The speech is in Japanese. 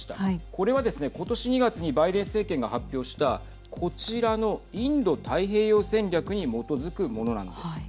これはですね、ことし２月にバイデン政権が発表したこちらのインド太平洋戦略に基づくものなんです。